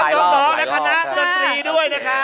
และคณะดนตรีด้วยนะคะ